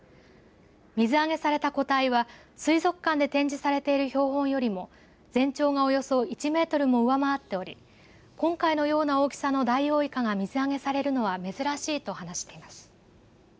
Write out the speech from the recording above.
水揚げされた個体は水族館で展示されている標本よりも全長が、およそ１メートルも上回っており今回のような大きさのダイオウイカが水揚げされるのは珍しいと話しています。